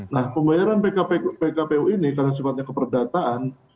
nah pembayaran pkpu ini karena sifatnya keperdataan